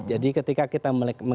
ini proses yang sedang kita lakukan